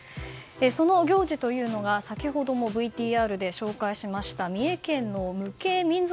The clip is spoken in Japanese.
その行事というのが先ほどもＶＴＲで紹介しました三重県の無形民俗